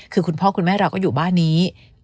คือคุณพ่อคุณแม่เราก็อยู่บ้านนี้